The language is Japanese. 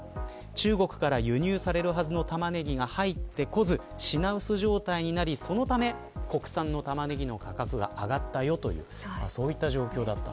中国から輸入されるはずの玉ネギが入ってこず品薄状態になり、そのため国産の玉ネギの価格が上がったよというそういった状況でした。